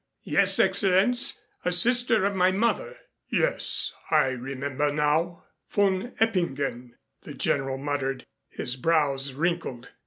"Yes, Excellenz, a sister of my mother " "Yes, I remember now. Von Eppingen " the General muttered, his brows wrinkled.